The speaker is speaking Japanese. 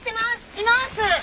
います！